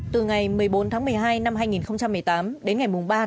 từ ngày một mươi bảy tháng năm sau khi đã gây tâm lý lo lắng cho gia đình nạn nhân